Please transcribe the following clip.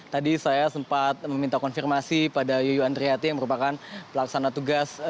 tadi saya sempat meminta konfirmasi pada yuyu andriati yang merupakan pelaksana tugas